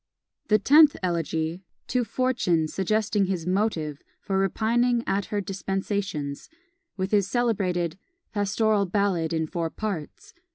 The Tenth Elegy, "To Fortune, suggesting his Motive for repining at her Dispensations," with his celebrated "Pastoral Ballad, in four parts."